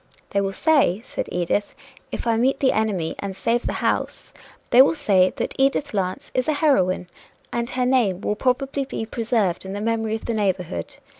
"They will say," said Edith, "if I meet the enemy and save the house they will say that Edith Lance is a heroine, and her name will be probably preserved in the memory of the neighborhood.